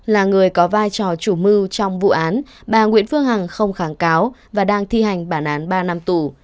là người có vai trò chủ mưu trong vụ án bà nguyễn phương hằng không kháng cáo và đang thi hành bản án ba năm tù